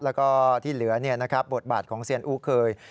แล้วก็ที่เหลือบทบาทของเซียนอูเคย